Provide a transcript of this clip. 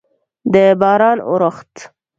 د باران اورښت